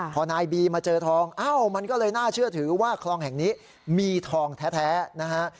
พอนายบีมาเจอทองเอ้ามันก็เลยน่าเชื่อถือว่าคลองแห่งนี้มีทองแท้นะฮะ